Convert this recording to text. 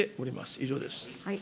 以上です。